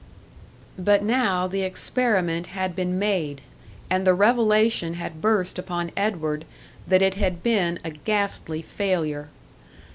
But now the experiment had been made, and the revelation had burst upon Edward that it had been a ghastly failure.